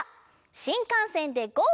「新幹線でゴー！